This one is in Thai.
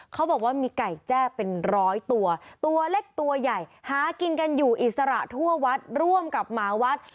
เขาบอกว่ามีไก่แจ้เป็นร้อยตัวตัวเล็กตัวใหญ่หากินกันอยู่อิสระทั่ววัดร่วมกับหมาวัด